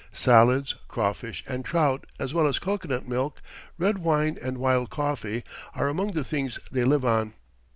Salads, crawfish and trout, as well as cocoanut milk, red wine and wild coffee, are among the things they live on.